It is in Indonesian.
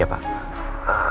apa gini aja pak